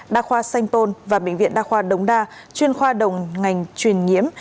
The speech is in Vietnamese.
đa khoa sanh tôn và bệnh viện đa khoa đồng đa chuyên khoa đồng ngành truyền nhiễm